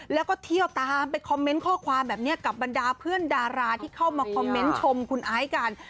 แล้วก็เที่ยวตามไปคอมเมนต์ข้อความแบบนี้กับบรรดาเพื่อนดาราที่เข้ามาคอมเมนต์ชมคุณไอซ์กัน